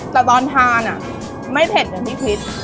แต่ตอนทานไม่เผ็ดอย่างที่คิด